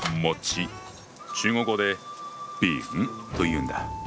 中国語で「」というんだ。